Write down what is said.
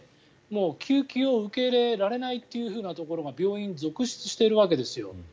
救急を受け入れられないところが病院、続出しているわけですよ。